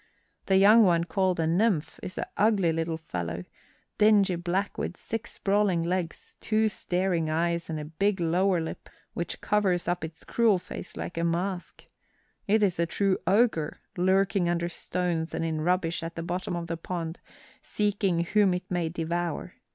The young one, called a nymph, is an ugly little fellow, dingy black with six sprawling legs, two staring eyes, and a big lower lip which covers up its cruel face like a mask. It is a true ogre, lurking under stones and in rubbish at the bottom of the pond seeking whom it may devour.